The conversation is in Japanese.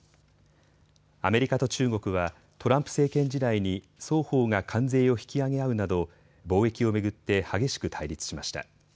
アメリカと中国はトランプ政権時代に双方が関税を引き上げ合うなど貿易を巡って激しく対立しました。